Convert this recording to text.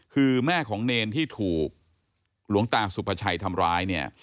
คือแม่ของเนรที่ถูกหลวงตาสุภาชัยทำร้ายเนี่ย